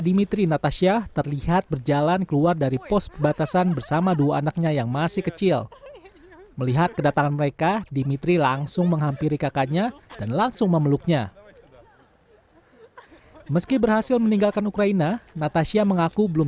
dimitri yang berasal dari kharkiv khawatir dengan kondisi keluarganya yang masih bertahan di sana pasukan rusia pada kota kedua terbesar di ukraina tersebut